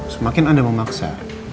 semakin anda memaksa